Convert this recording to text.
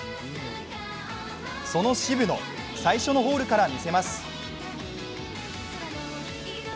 その渋野、最初のホールから見せます。